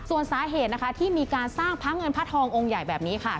ส่วนสาเหตุนะคะที่มีการสร้างพระเงินพระทององค์ใหญ่แบบนี้ค่ะ